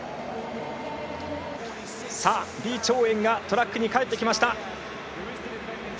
李朝燕がトラックに帰ってきました。